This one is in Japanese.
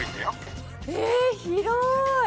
え広い！